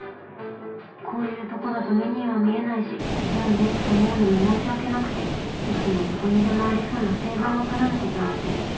こういうとこだとメニューは見えないし「読んで」って頼むのも申し訳なくていつもどこにでもありそうな定番を頼むことにしてる